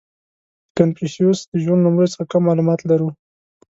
• د کنفوسیوس د ژوند لومړیو څخه کم معلومات لرو.